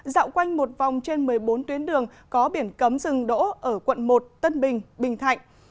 dạo quanh một vòng trên một mươi bốn tuyến đường có biển cấm dừng đỗ ở quận một tân bình bình thạnh